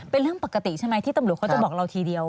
เป็นเรื่องปกติใช่ไหมที่ตำรวจเขาจะบอกเราทีเดียว